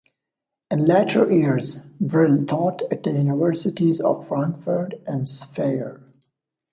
In later years, Brill taught at the universities of Frankfurt and Speyer.